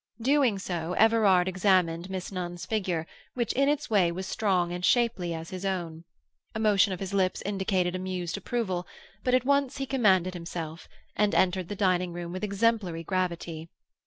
Doing so, Everard examined Miss Nunn's figure, which in its way was strong and shapely as his own. A motion of his lips indicated amused approval, but at once he commanded himself, and entered the dining room with exemplary gravity.